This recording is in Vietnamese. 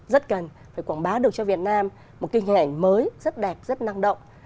rất cần phải quảng báo được cho việt nam một kinh hệ mới rất đẹp rất năng động